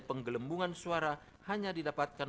penggelembungan suara hanya didapatkan